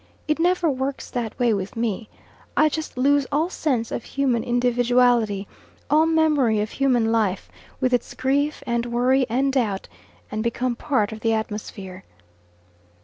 It never works that way with me; I just lose all sense of human individuality, all memory of human life, with its grief and worry and doubt, and become part of the atmosphere.